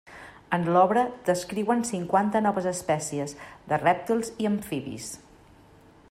En l'obra descriuen cinquanta noves espècies de rèptils i amfibis.